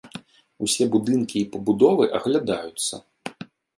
Усе будынкі і пабудовы аглядаюцца.